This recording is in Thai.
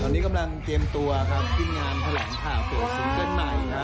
ตอนนี้กำลังเตรียมตัวครับวิ่งงานแผนแหลงข่าวเปิดซิงเกิ้ลใหม่ค่ะ